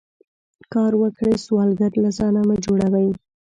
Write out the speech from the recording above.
کار وکړئ سوالګر له ځانه مه جوړوئ